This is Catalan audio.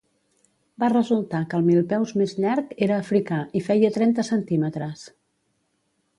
Va resultar que el milpeus més llarg era africà i feia trenta centímetres.